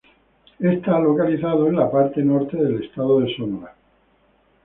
Está localizado en la parte norte del estado de Sonora.